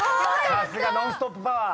さすがノンストップパワー。